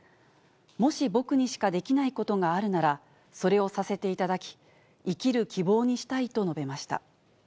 もし僕にしかできないことがあるなら、それをさせていただき、生きる希望にしたいと述べました。